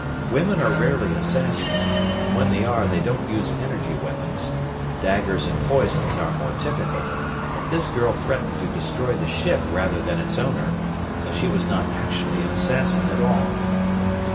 Women are rarely assassins, and when they are they don't use energy weapons. Daggers and poisons are more typical. But this girl threatened to destroy the ship rather than its owner, so she was not actually an assassin at all.